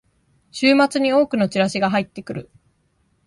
週末に多くのチラシが入ってくる